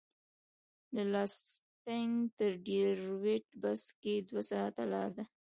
له لانسېنګ تر ډیترویت بس کې دوه ساعته لاره ده.